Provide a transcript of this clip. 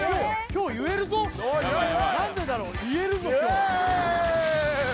今日言えるぞ何でだろう言えるぞ今日イェ！